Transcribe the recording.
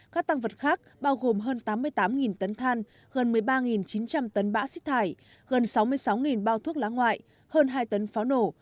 các tăng vật khác bao gồm hơn tám mươi tám tấn than gần một mươi ba chín trăm linh tấn bã xích thải gần sáu mươi sáu bao thuốc lá ngoại hơn hai tấn pháo nổ